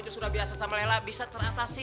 itu sudah biasa sama lela bisa teratasi